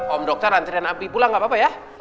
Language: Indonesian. om dokter antarin abi pulang gak apa apa ya